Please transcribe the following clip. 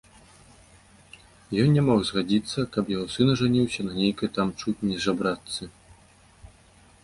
Ён не мог згадзіцца, каб яго сын ажаніўся на нейкай там чуць не жабрачцы.